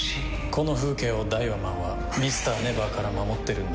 この風景をダイワマンはＭｒ．ＮＥＶＥＲから守ってるんだ。